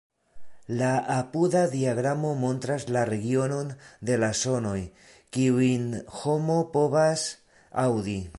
La apuda diagramo montras la regionon de la sonoj, kiujn homo povas aŭdi.